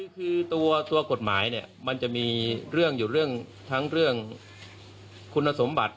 คือตัวกฎหมายเนี่ยมันจะมีเรื่องอยู่เรื่องทั้งเรื่องคุณสมบัติ